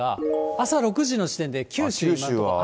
朝６時の時点で、九州は今のところ雨。